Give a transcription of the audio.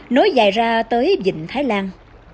nối dài ra tới dịnh thái lan